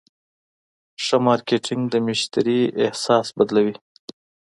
ښه مارکېټنګ د مشتری احساس بدلوي.